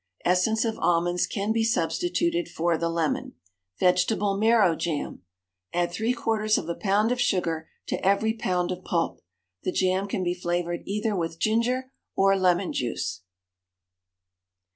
Essence of almonds can be substituted for the lemon. VEGETABLE MARROW JAM. Add three quarters of a pound of sugar to every pound of pulp. The jam can be flavoured either with ginger or lemon juice.